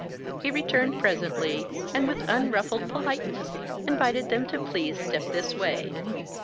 He returned presently, and with unruffled politeness invited them please to step this way.